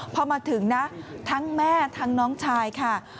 พอมาถึงนะทั้งแม่ทั้งน้องชายค่ะ